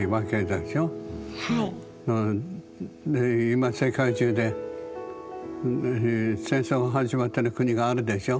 今世界中で戦争が始まってる国があるでしょ。